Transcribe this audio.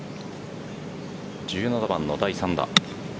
１７番の第３打。